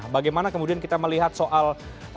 bagaimana kemudian kita melihat soal